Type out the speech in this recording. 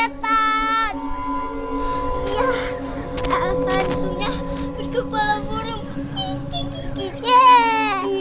hantunya berkepala burung